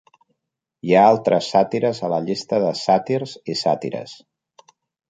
Hi ha altres sàtires a la llista de sàtirs i sàtires.